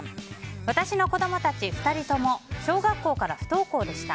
私の子供たち２人とも小学校から不登校でした。